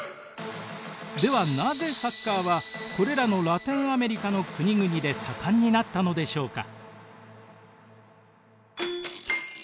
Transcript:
ではなぜサッカーはこれらのラテンアメリカの国々で盛んになったのでしょうか。